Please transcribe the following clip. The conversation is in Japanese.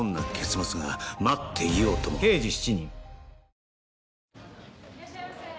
いらっしゃいませ。